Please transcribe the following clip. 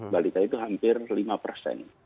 balita itu hampir lima persen